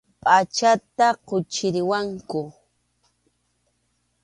Pʼachayta quchiriwanku.